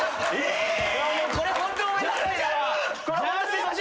これはホントごめんなさい！